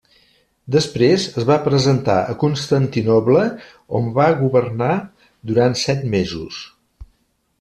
Després es va presentar a Constantinoble on va governar durant set mesos.